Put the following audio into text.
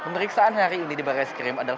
pemeriksaan hari ini di baris krimpori adalah